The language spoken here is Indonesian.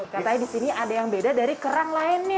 katanya disini ada yang beda dari kerang lainnya